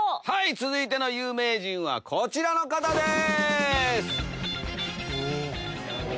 続いての有名人はこちらの方です。